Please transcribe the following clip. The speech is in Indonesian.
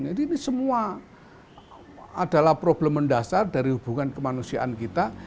jadi ini semua adalah problem mendasar dari hubungan kemanusiaan kita